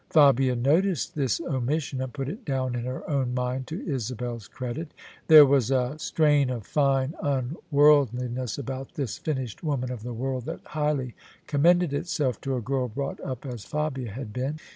Fabia noticed this omission and put it down in her own mind to Isabel's credit. There was a strain of fine unworldli ness about this finished woman of the world that highly commended itself to a girl brought up as Fabia had been.